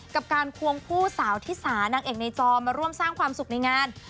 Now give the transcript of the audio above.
กับการควงคู่สาวที่สานางเอกในจอมาร่วมสร้างความสุขในงาน